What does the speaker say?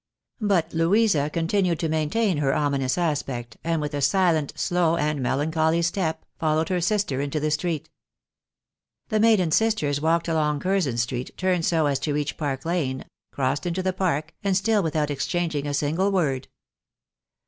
But Louisa continued to maintain her ominous aspect, and with a silent, slow, and melancholy step, followed her sister into the street. The maiden sisters walked along Curzon street, turned so as to reach Park lane, crossed into the Park, and still without ex changing a single word.